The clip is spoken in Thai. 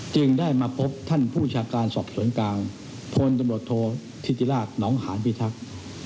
จึงได้มาพบท่านผู้ชาการสอบสวนกลางพลตำรวจโทษธิติราชหนองหานพิทักษ์